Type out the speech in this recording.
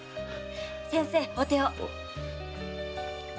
先生お手を。